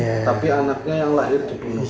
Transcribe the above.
tapi anaknya yang lahir dibunuh